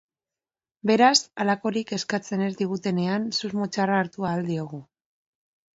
Beraz, halakorik eskatzen ez digutenean susmo txarra hartu ahal diogu.